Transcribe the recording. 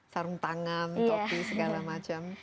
sarung tangan topi segala macam